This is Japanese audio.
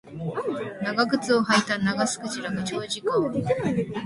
長靴を履いたナガスクジラが長時間泳ぐ